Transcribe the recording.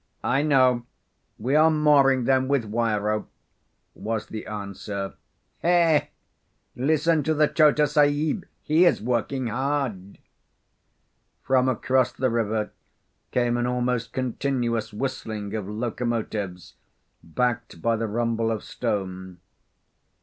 ] I know; we are mooring them with wire rope," was the answer. "Heh! Listen to the Chota Sahib. He is working hard." From across the river came an almost continuous whistling of locomotives, backed by the rumble of stone.